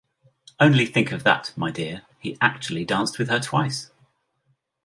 Only think of that, my dear; he actually danced with her twice!